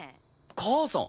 母さん！